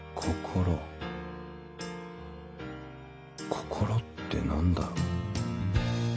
心ってなんだろう？